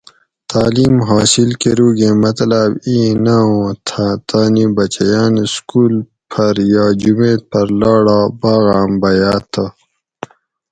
تعلیم حاصل کۤروگیں مطلاۤب اِیں نہ اُوں تھہ تانی بچیاۤن سکول پۤھر یا جمیت پۤھر لاڑا باۤغاۤم بھیاۤ تہ